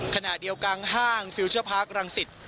ขณะเดียวกันห้างฟิลเชอร์พาร์ครังสิต